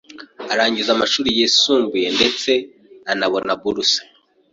arangiza amashuri yisumbuye ndetse anabona buruse